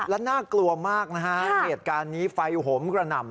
และน่ากลัวมากนะฮะเหตุการณ์นี้ไฟหมกระหน่ำ